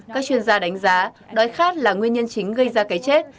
các chuyên gia đánh giá đói khát là nguyên nhân chính gây ra cái chết